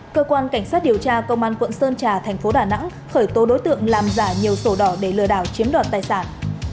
cơ quan cảnh sát điều tra công an quận sơn trà thành phố đà nẵng khởi tố đối tượng làm giả nhiều sổ đỏ để lừa đảo chiếm đoạt tài sản